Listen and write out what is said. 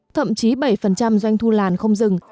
thậm chí bảy doanh thu làn không dừng